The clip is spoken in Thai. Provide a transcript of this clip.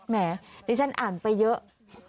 แหมดิฉันอ่านไปเยอะ